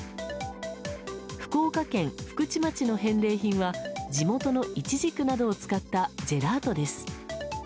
福岡県福智町の返礼品は地元のイチジクなどを使ったジェラートです。